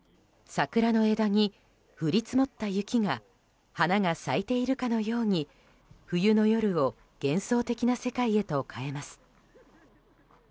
桜の枝に降り積もった雪が花が咲いているかのように冬の夜を幻想的な世界へと変えます。